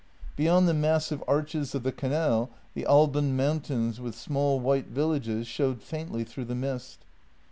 Beyond the massive arches of the canal, the Alban mountains, with small white villages, showed faintly through the mist.